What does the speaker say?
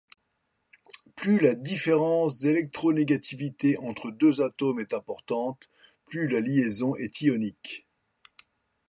Plus la différence d'électronégativité entre deux atomes est importante, plus la liaison est ionique.